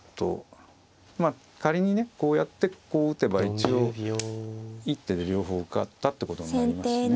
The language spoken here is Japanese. まあ仮にねこうやってこう打てば一応一手で両方受かったってことになりますしね。